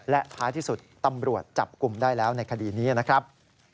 และท้ายที่สุดตำรวจจับกลุ่มได้แล้วในคดีนี้นะครับ